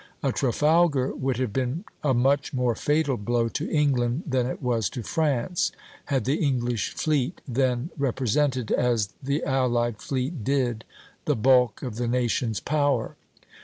A Trafalgar would have been a much more fatal blow to England than it was to France, had the English fleet then represented, as the allied fleet did, the bulk of the nation's power.